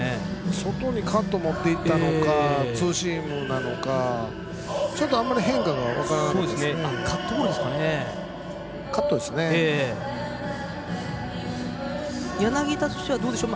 外にカットを持っていったのかツーシームなのかちょっとあまり変化はカットボールですかね。